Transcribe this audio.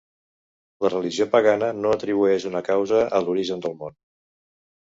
La religió pagana no atribueix una causa a l'origen del món.